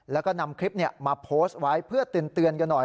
แล้วก็นำคลิปมาโพสต์ไว้เพื่อเตือนกันหน่อย